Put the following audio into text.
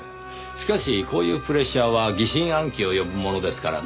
しかしこういうプレッシャーは疑心暗鬼を呼ぶものですからねぇ。